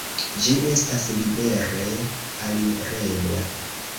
Ĝi estas libere alirebla.